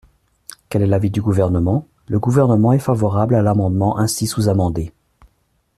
Quel est l’avis du Gouvernement ? Le Gouvernement est favorable à l’amendement ainsi sous-amendé.